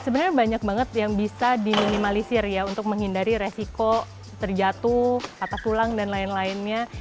sebenarnya banyak banget yang bisa diminimalisir ya untuk menghindari resiko terjatuh patah tulang dan lain lainnya